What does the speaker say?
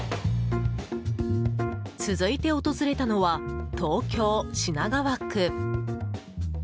続いて、訪れたのは東京・品川区。